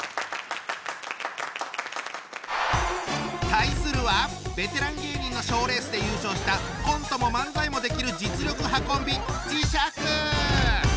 対するはベテラン芸人の賞レースで優勝したコントも漫才もできる実力派コンビ！